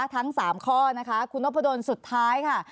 ทั้ง๓ข้อนะคะคุณนพดลสุดท้ายค่ะ